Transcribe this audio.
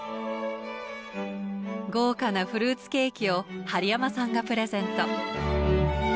豪華なフルーツケーキを針山さんがプレゼント。